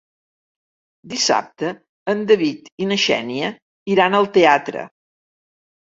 Dissabte en David i na Xènia iran al teatre.